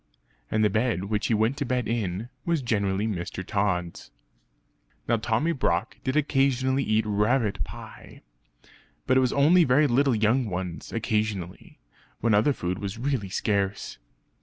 And the bed which he went to bed in, was generally Mr. Tod's. Now Tommy Brock did occasionally eat rabbit pie; but it was only very little young ones occasionally, when other food was really scarce.